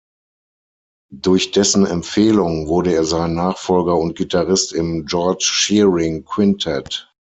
Durch dessen Empfehlung wurde er sein Nachfolger und Gitarrist im „George Shearing Quintett“.